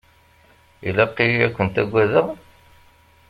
Ilaq-iyi ad kent-agadeɣ?